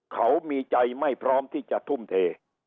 เขามีใจไม่พร้อมที่จะทุ่มเท